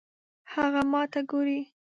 هغه ماته ګوري